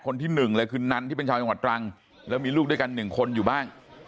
คนที่หนึ่งเลยคือนันที่เป็นชาวจังหวัดตรังแล้วมีลูกด้วยกันหนึ่งคนอยู่บ้าง